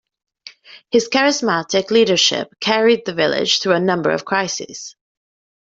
His charismatic leadership carried the village through a number of crises.